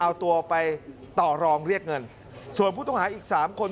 เอาตัวไปต่อรองเรียกเงินส่วนผู้ต้องหาอีกสามคน